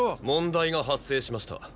問題が発生しました。